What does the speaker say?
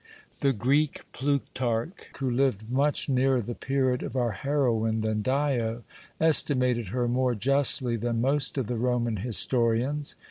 The Greek Plutarch, who lived much nearer the period of our heroine than Dio, estimated her more justly than most of the Roman historians.